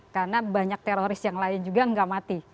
karena banyak teroris yang lain juga nggak mati